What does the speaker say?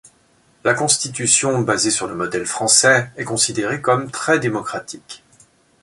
La constitution, basée sur le modèle français, est considérée comme très démocratique.